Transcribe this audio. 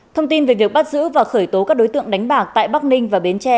thông tin về việc bắt giữ và khởi tố các đối tượng đánh bạc tại bắc ninh và bến tre